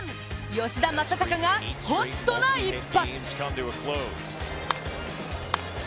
吉田正尚がホットな一発。